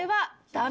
ダメ？